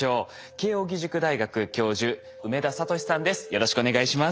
慶應義塾大学教授梅田聡さんです。